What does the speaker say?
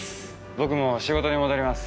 僕も仕事に戻ります。